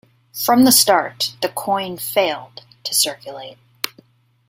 From the start, the coin failed to circulate.